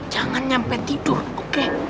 jangan nyampe tidur oke